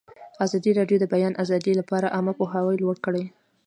ازادي راډیو د د بیان آزادي لپاره عامه پوهاوي لوړ کړی.